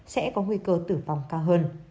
sẽ có nguy cơ tử vong cao hơn